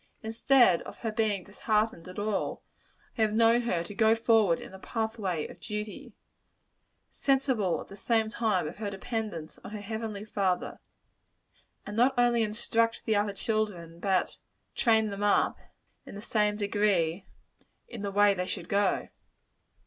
Instead of her being disheartened at all, I have known her to go forward in the pathway of duty sensible, at the same time, of her dependence on her Heavenly Father and not only instruct the other children, but "train them up," in same good degree, "in the way they should go."